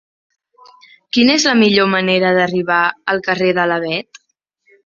Quina és la millor manera d'arribar al carrer de l'Avet?